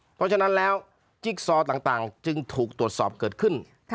เพราะฉะนั้นแล้วจิ๊กซอต่างจึงถูกตรวจสอบเกิดขึ้น